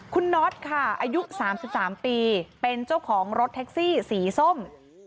คุณน็อตค่ะอายุ๓๓ปีเป็นเจ้าของรถแท็กซี่สีส้ม